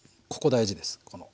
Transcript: ここ大事です。